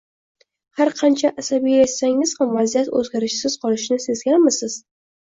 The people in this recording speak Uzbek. Har qancha asabiylashsangiz ham vaziyat o’zgarishsiz qolishini sezganmisiz